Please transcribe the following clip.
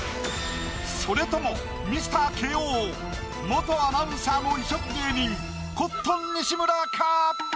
それともＭｒ．慶應元アナウンサーの異色芸人コットン西村か？